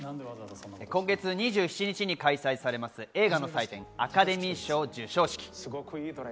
今月２７日に開催される映画の祭典、アカデミー賞授賞式。